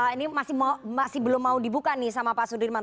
ini masih belum mau dibuka nih sama pak sudirman